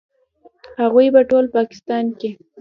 هغوی په ټول پاکستان کې